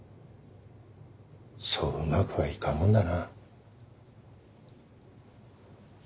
そううまくはいかんもんだな。